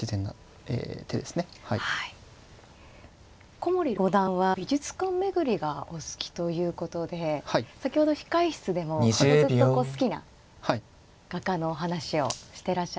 古森五段は美術館巡りがお好きということで先ほど控え室でもずっとこう好きな画家のお話をしてらっしゃいましたね。